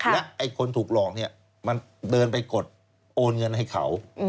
และคนถูกหลอกเนี่ยมันเดินไปกดโอนเงินให้เขา